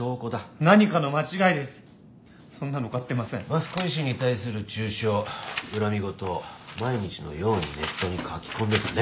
益子医師に対する中傷恨み言毎日のようにネットに書き込んでたね。